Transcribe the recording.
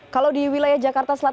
kalau di wilayah jakarta selatan